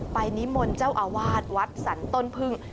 นิมนต์เจ้าอาวาสวัดสรรต้นพึ่ง